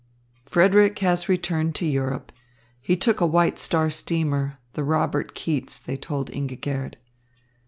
"Frederick has returned to Europe. He took a White Star steamer, the Robert Keats," they told Ingigerd.